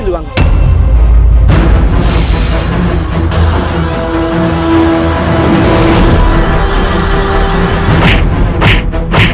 keluar dari tempat ini